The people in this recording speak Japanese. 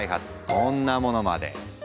こんなものまで。